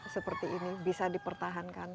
seperti ini bisa dipertahankan